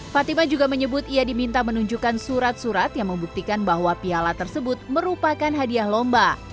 fatima juga menyebut ia diminta menunjukkan surat surat yang membuktikan bahwa piala tersebut merupakan hadiah lomba